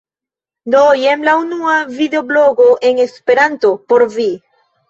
Do, jen la unua videoblogo en Esperanto. Por vi.